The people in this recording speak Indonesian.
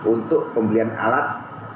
untuk pembelian alat